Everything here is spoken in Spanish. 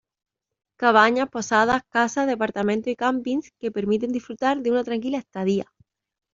Cabañas, posadas, casas, departamentos y campings que permiten disfrutar de una tranquila estadía.